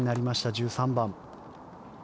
１３番。